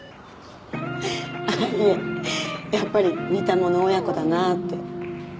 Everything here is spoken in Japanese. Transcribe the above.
あっいえやっぱり似たもの親子だなって。